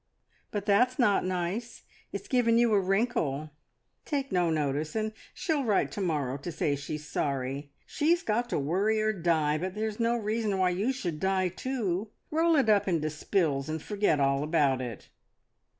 "But that's not nice. It's given you a wrinkle. Take no notice, and she'll write to morrow to say she's sorry. She's got to worry or die, but there's no reason why you should die too. Roll it up into spills, and forget all about it."